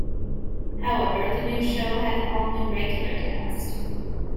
However, the new show had an all-new regular cast.